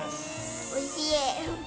おいしい。